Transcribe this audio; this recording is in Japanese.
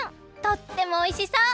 とってもおいしそう！